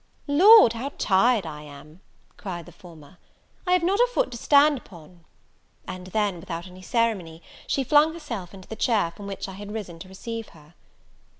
"Lord, how tired I am!" cried the former; "I have not a foot to stand upon." And, then, without any ceremony, she flung herself into the chair from which I had risen to receive her.